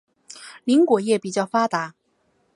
林果业比较发达。